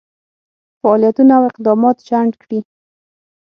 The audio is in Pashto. فعالیتونه او اقدامات شنډ کړي.